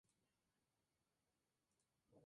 Hijo de April y Phil Margera.